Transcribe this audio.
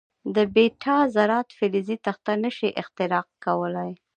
د بیټا ذرات فلزي تخته نه شي اختراق کولای.